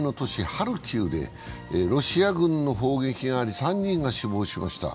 ハルキウで、ロシア軍の砲撃があり３人が死亡しました。